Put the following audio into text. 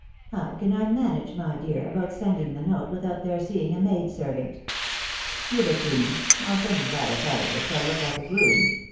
How can I manage, my dear, about send ing the note, without their seeing a maid servant ?"" Give it to me — ^I'H send it by a fellow that shall look like a groom.